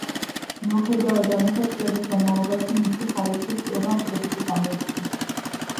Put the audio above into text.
მიუხედავად ამისა, წლების განმავლობაში მისი ხარისხის კლებამ კრიტიკა გამოიწვია.